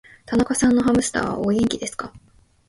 田中さんのハムスターは、お元気ですか。